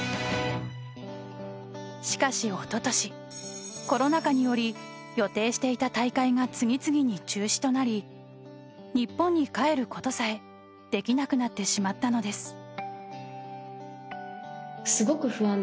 しかし、おととしコロナ禍により予定していた大会が次々に中止となり日本に帰ることさえできなくなってしまったのです。